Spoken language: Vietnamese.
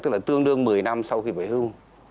tức là tương đương một mươi năm sau khi về hưu